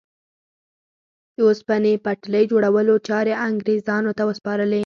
د اوسپنې پټلۍ جوړولو چارې انګرېزانو ته وسپارلې.